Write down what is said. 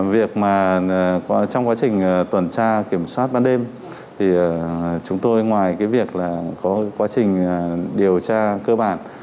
việc mà trong quá trình tuần tra kiểm soát ban đêm thì chúng tôi ngoài cái việc là có quá trình điều tra cơ bản